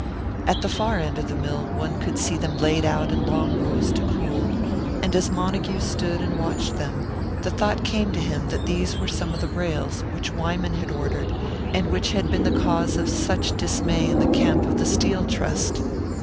At the far end of the mill one could see them laid out in long rows to cool; and as Montague stood and watched them, the thought came to him that these were some of the rails which Wyman had ordered, and which had been the cause of such dismay in the camp of the Steel Trust!